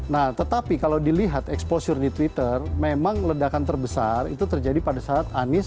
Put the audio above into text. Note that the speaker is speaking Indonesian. nah tetapi kalau dilihat exposure di twitter memang ledakan terbesar itu terjadi pada saat anies